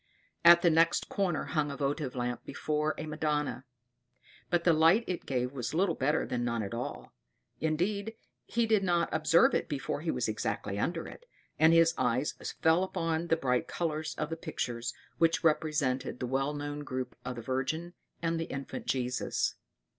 At the next corner hung a votive lamp before a Madonna, but the light it gave was little better than none at all; indeed, he did not observe it before he was exactly under it, and his eyes fell upon the bright colors of the pictures which represented the well known group of the Virgin and the infant Jesus.